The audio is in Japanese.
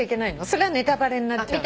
それはネタバレになっちゃうの？